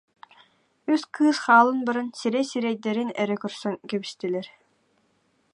Үс кыыс хаалан баран сирэй-сирэйдэрин эрэ көрсөн кэбистилэр